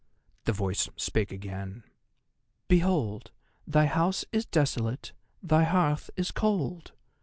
The voice spake again: "Behold, thy house is desolate; thy hearth is cold.